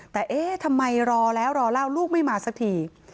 แต่เอ๊ะทำไมรอแล้วรอเล่าลูกไม่มาสักที